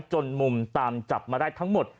จนมุมตามจับมาได้ทั้งหมด